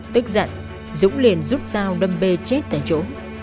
tức giận dũng liền rút dao đâm bê chết tại chỗ